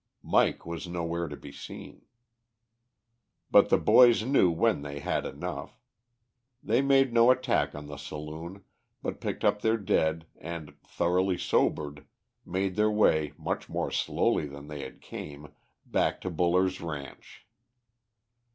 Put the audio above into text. Mike was nowhere to be seen. But the boys knew when they had enough. They made no attack on the saloon, but picked up their dead, and, thoroughly sobered, made their way, much more slowly than they came, back to Buller's ranch.